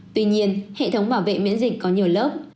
tuy nhiên hệ thống bảo vệ miễn dịch có nhiều lớp